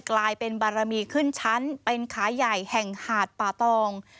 กลายเป็นบารมีขึ้นชั้นเป็นขาใหญ่แห่งหาดป่าตอง